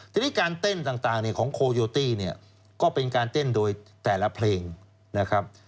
ทีนี้การเต้นต่างของโคโยตี้เนี่ยก็เป็นการเต้นโดยแต่ละเพลงนะครับ